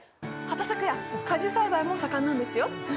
畑作や果樹栽培も盛んなんですよ。